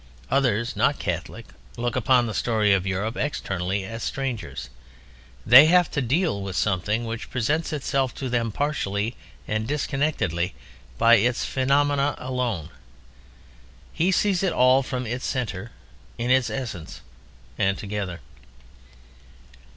Others, not Catholic, look upon the story of Europe externally as strangers. They have to deal with something which presents itself to them partially and disconnectedly, by its phenomena alone: he sees it all from its centre in its essence, and together.